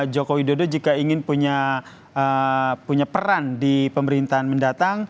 joko widodo jika ingin punya peran di pemerintahan mendatang